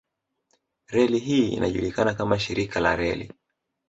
Reli hii inajulikana kama shirika la reli